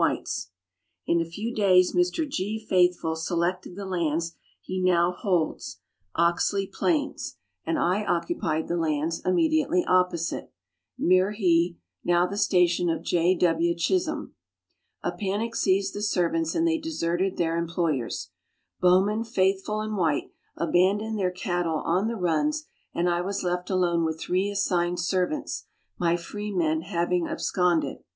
White's. In a few days Mr. G. Faithfull selected the lands he now holds Oxley Letters from Victorian Pioneers. 187 Plains and I occupied the lands immediately opposite Myrrhee, now the station of J. W. Chisholm. A panic seized the servants and they deserted their employers. Bowman, Faithfull, and White, abandoned their cattle on the runs, and I was left alone with three assigned servants, my freemen having absconded.